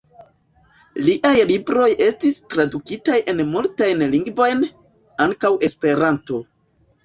Liaj libroj estis tradukitaj en multajn lingvojn, ankaŭ Esperanton.